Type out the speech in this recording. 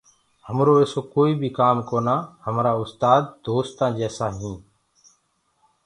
همرو ايسو ڪوئيٚ بيٚ ڪآم ڪونآ همرآ استآد دوستآ جيسي هينٚ